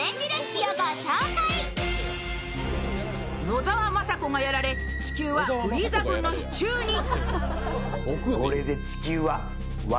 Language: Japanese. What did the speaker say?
野沢雅子がやられ地球はフリーザ軍の手中に。